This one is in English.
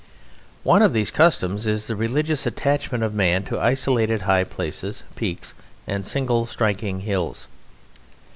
One of these customs is the religious attachment of man to isolated high places, peaks, and single striking hills.